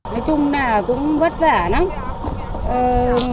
nói chung là cũng vất vả lắm